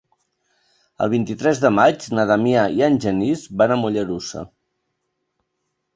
El vint-i-tres de maig na Damià i en Genís van a Mollerussa.